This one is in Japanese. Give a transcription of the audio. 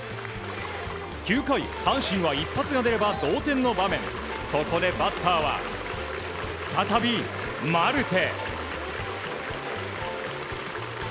９回、阪神は１発が出れば同点の場面、ここでバッターは再び、マルテ。